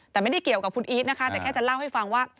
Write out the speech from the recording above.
แต่ไม่ได้เกี่ยวกับคุณอีทนะคะแต่แค่จะเล่าให้ฟังว่า